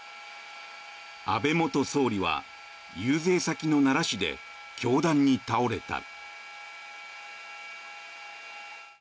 安倍元総理は遊説先の奈良市で凶弾に倒れた。